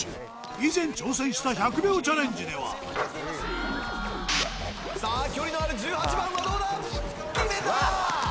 以前挑戦した１００秒チャレンジではさあ距離のある１８番はどうだ決めた！